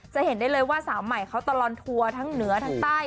จะเห็นได้เลยว่าสาวใหม่เขาตลอดทัวร์ทั้งเหนือทั้งใต้